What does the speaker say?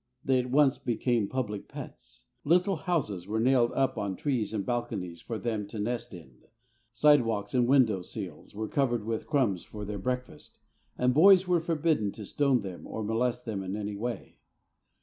They at once became public pets. Little houses were nailed up on trees and balconies for them to nest in, sidewalks and window sills were covered with crumbs for their breakfast, and boys were forbidden to stone them or molest them in any way.